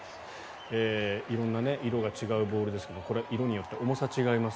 色んな色が違うボールですけどこれ、色によって重さが違います。